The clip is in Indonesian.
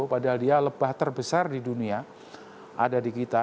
padahal dia lebah terbesar di dunia ada di kita